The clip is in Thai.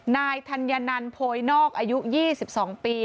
นายธัญนันโพยนอกอายุ๒๒ปี